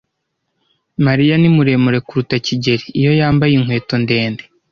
Mariya ni muremure kuruta kigeli iyo yambaye inkweto ndende.